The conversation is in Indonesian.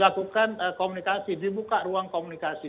lakukan komunikasi dibuka ruang komunikasi